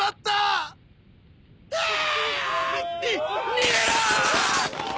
逃げろ！